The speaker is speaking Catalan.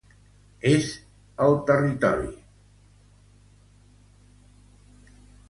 És el territori de la Curve Lake First Nation.